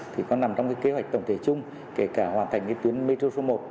thì có nằm trong cái kế hoạch tổng thể chung kể cả hoàn thành cái tuyến metro số một